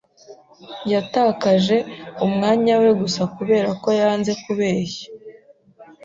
Yatakaje umwanya we gusa kubera ko yanze kubeshya.